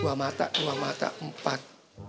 dua mata dua mata empat